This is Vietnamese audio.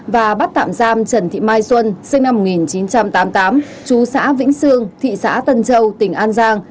và bắt tạm giam trần thị mai xuân sinh năm một nghìn chín trăm tám mươi tám chú xã vĩnh sương thị xã tân châu tỉnh an giang